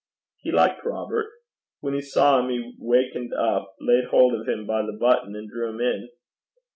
He liked Robert. When he saw him, he wakened up, laid hold of him by the button, and drew him in.